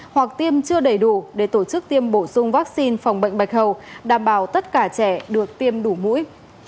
hoặc tiêm chưa đầy đủ để tổ chức tiêm bổ sung vaccine phòng bệnh bạch hầu đảm bảo tất cả trẻ được tiêm đủ mũi